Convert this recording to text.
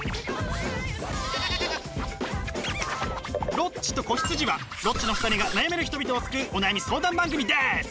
「ロッチと子羊」はロッチの２人が悩める人々を救うお悩み相談番組です！